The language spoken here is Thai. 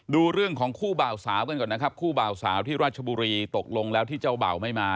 ดูเรื่องของคู่บ่าวสาวกันก่อนนะครับคู่บ่าวสาวที่ราชบุรีตกลงแล้วที่เจ้าบ่าวไม่มา